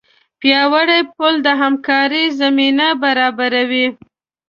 پیاوړی پل د همکارۍ زمینه برابروي.